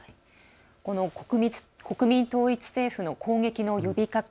この国民統一政府の攻撃の呼びかけ。